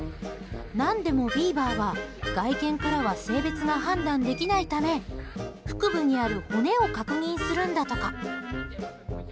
何でもビーバーは、外見からは性別が判断できないため腹部にある骨を確認するんだとか。